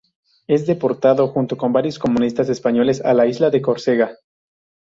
Es deportado, junto con varios comunistas españoles, a la isla de Córcega.